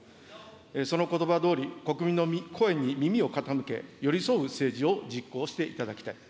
そのことばどおり、国民の声に耳を傾け、寄り添う政治を実行していただきたい。